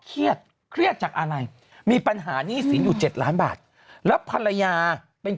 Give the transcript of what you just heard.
เครียดเครียดจากอะไรมีปัญหาหนี้สินอยู่๗ล้านบาทแล้วภรรยาเป็น